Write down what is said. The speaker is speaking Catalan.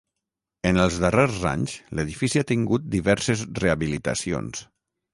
En els darrers anys l'edifici ha tingut diverses rehabilitacions.